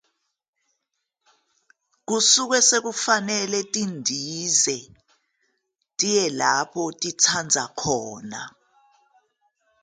Kusuke sekufanele zindize ziye lapho zithanda khona.